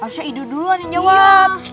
harusnya ido duluan yang jawab